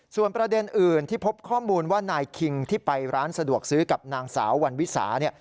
ส่วนประเด็นอื่นที่พบข้อมูลว่านายคิงที่ไปร้านสะดวกซื้อกับนางสาววันวิสาเนี่ย